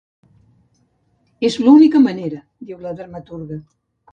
"És l'única manera", diu la dramaturga.